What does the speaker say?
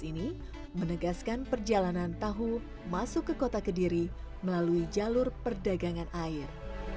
ini menegaskan perjalanan tahu masuk ke kota kediri melalui jalur perdagangan air